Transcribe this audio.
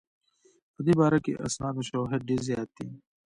په دې باره کې اسناد او شواهد ډېر زیات دي.